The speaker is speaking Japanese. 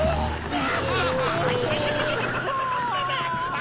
あ！